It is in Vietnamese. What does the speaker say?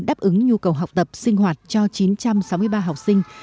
đáp ứng nhu cầu học tập sinh hoạt cho chín trăm sáu mươi ba học sinh